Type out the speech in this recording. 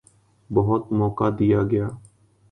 بہت موقع دیا گیا۔